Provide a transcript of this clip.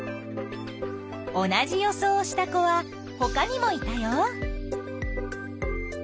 同じ予想をした子はほかにもいたよ。